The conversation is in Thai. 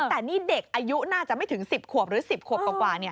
แต่นี่เด็กอายุน่าจะไม่ถึง๑๐ขวบหรือ๑๐ขวบกว่า